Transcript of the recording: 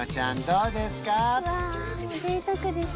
どうですか？